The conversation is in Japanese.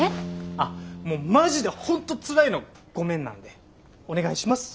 あっもうマジで本当つらいのごめんなんでお願いします。